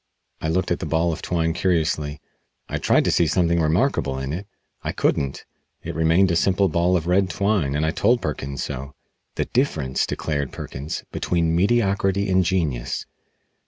I looked at the ball of twine curiously. I tried to see something remarkable in it. I couldn't. It remained a simple ball of red twine and I told Perkins so. "The difference," declared Perkins, "between mediocrity and genius!